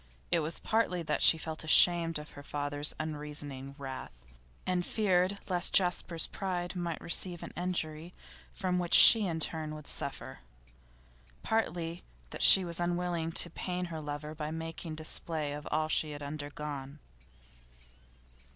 It was partly that she felt ashamed of her father's unreasoning wrath, and feared lest Jasper's pride might receive an injury from which she in turn would suffer; partly that she was unwilling to pain her lover by making display of all she had undergone.